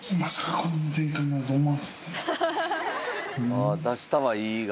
あぁ出したはいいが。